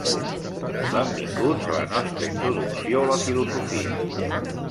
Benvinguts a la nostra introducció a la filosofia.